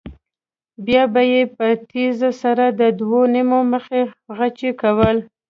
بیا به یې په تېزۍ سره د دوی نیم مخي غچي کول.